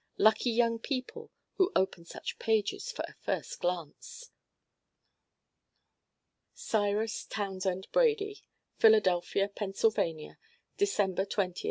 Lucky young people who open such pages for a first glance! Cyrus Townsend Brady Philadelphia, Penna. December 20th, 1901.